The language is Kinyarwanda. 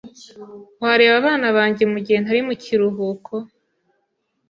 Wareba abana banjye mugihe ntari mukiruhuko?